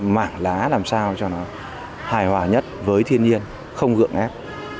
mảng lá làm sao cho nó hài hòa nhất với thiên nhiên không gượng ép